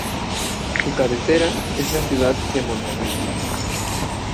Su cabecera es la ciudad de Monterrey.